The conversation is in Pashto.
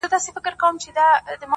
خو ژوند حتمي ستا له وجوده ملغلري غواړي،